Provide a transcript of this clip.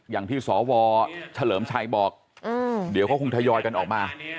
อย่างที่สวเฉลิมชัยบอกเดี๋ยวเขาคงทยอยกันออกมา